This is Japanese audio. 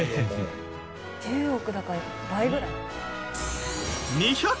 １０億だから倍ぐらい？